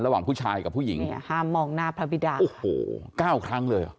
ระหว่างผู้ชายกับผู้หญิงเนี่ยห้ามมองหน้าพระบิดาโอ้โหเก้าครั้งเลยเหรอ